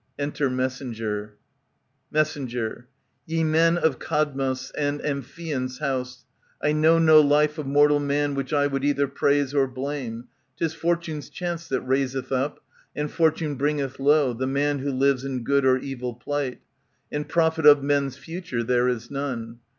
Enter Messenger. Mess, Ye men of Cadmos and Amphion's house,' I know no life of mortal man which I Would either praise or blame. 'Tis Fortune's chance That raiseth up, and Fortune bringeth low, The man who lives in good or evil plight ; And prophet of men's future there is none.